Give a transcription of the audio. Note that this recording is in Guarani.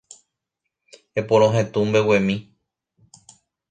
Eporohetũ mbeguemi